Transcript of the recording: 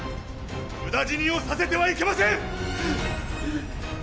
無駄死にをさせてはいけません！